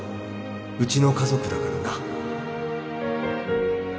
うちの家族だからな